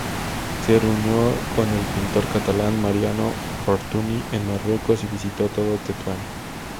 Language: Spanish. Se reunió con el pintor catalán Mariano Fortuny en Marruecos y visitó todo Tetuán.